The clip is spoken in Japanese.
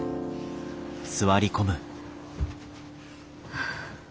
はあ。